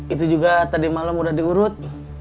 itu juga tadi malam udah diurut